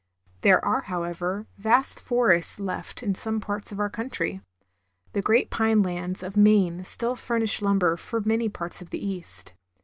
There are, however, vast forests left in some parts of our country. The great pine lands of Maine still furnish lum ber for many fjarts of the East.